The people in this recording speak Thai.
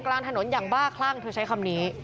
กลางถนนอย่างบ้าคลั่งเธอใช้คำนี้